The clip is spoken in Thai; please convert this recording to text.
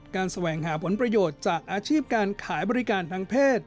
แสวงหาผลประโยชน์จากอาชีพการขายบริการทางเพศ